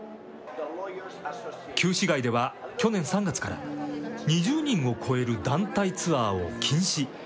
旧市街では去年３月から２０人を超える団体ツアーを禁止。